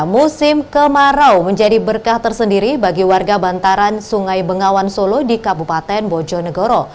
musim kemarau menjadi berkah tersendiri bagi warga bantaran sungai bengawan solo di kabupaten bojonegoro